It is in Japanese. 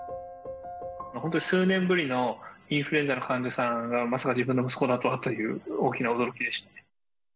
本当に数年ぶりのインフルエンザの患者さんが、まさか自分の息子だとはという、大きな驚きでしたね。